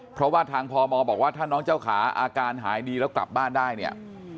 เพราะว่าทางพมบอกว่าถ้าน้องเจ้าขาอาการหายดีแล้วกลับบ้านได้เนี่ย